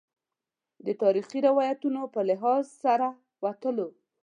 د تاریخي واقعیتونو په لحاظ سره وتلو.